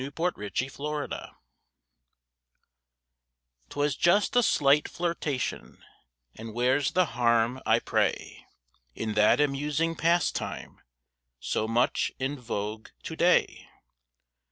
ONLY A SLIGHT FLIRTATION 'Twas just a slight flirtation, And where's the harm, I pray, In that amusing pastime So much in vogue to day?